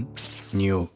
匂う。